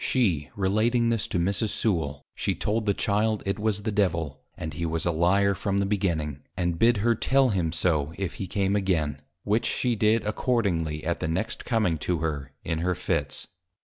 She relating this to Mrs. Sewal, she told the Child, it was the Devil, and he was a Lyar from the Beginning, and bid her tell him so, if he came again: which she did accordingly, at the next coming to her, in her Fits.